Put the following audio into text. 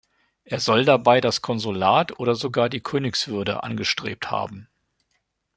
Er soll dabei das Konsulat oder sogar die Königswürde angestrebt haben.